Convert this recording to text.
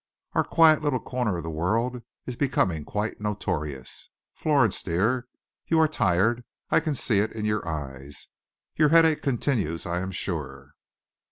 Our quiet little corner of the world is becoming quite notorious. Florence dear, you are tired. I can see it in your eyes. Your headache continues, I am sure.